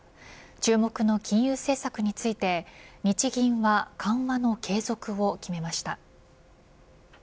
注目の金融政策について日銀は緩和の継続を決めました。